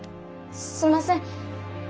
すんません。